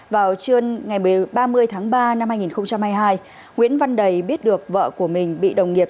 vào trưa ngày ba mươi tháng ba năm hai nghìn hai mươi hai nguyễn văn đầy biết được vợ của mình bị đồng nghiệp